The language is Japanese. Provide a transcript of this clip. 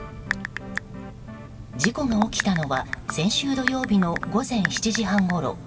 事故が起きたのは先週土曜日の午前７時半ごろ。